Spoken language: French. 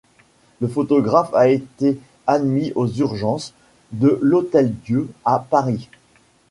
Le photographe a été admis aux urgences de l'Hôtel-Dieu à Paris.